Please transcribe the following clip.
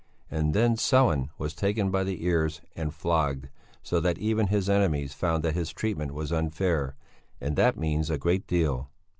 And then Sellén was taken by the ears and flogged, so that even his enemies found that his treatment was unfair and that means a great deal.